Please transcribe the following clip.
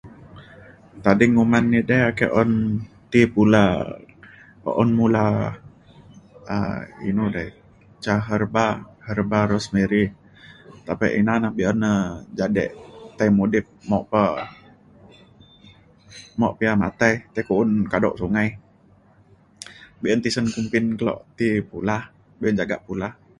tading uman ida ake un ti pula um un mula um inu rei ca herba herba rosemary tapi ina na be’un na jadek tai mudip mok pa mok pa ia’ matai tai ku’un kado sungai. be’un tisen kumbin kelo ti pula be’un jagak pula.